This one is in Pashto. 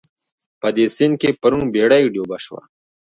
په دې سيند کې پرون بېړۍ ډوبه شوه